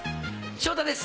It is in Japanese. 昇太です